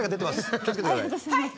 気をつけてください。